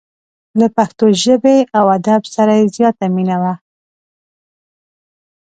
له پښتو ژبې او ادب سره یې زیاته مینه وه.